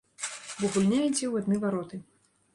Бо гульня ідзе ў адны вароты.